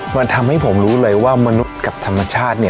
มันทำให้ผมรู้เลยว่ามนุษย์กับสัมมาชาติ